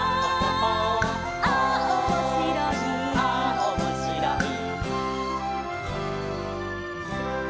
「ああおもしろい」「」